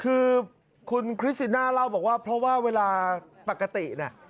คือคุณคริสติน่าเล่าบอกว่าเพราะว่าเวลาปกติน่ะ